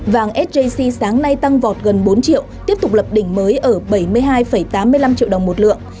vàng sjc sáng nay tăng vọt gần bốn triệu tiếp tục lập đỉnh mới ở bảy mươi hai tám mươi năm triệu đồng một lượng